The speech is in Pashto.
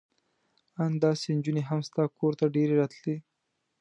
ان داسې نجونې هم ستا کور ته ډېرې راتلې.